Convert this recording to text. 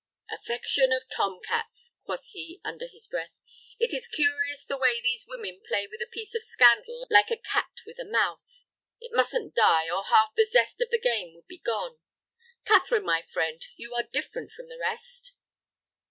"Affection of tom cats," quoth he, under his breath; "it is curious the way these women play with a piece of scandal like a cat with a mouse. It mustn't die, or half the zest of the game would be gone. Catherine, my friend, you are different from the rest."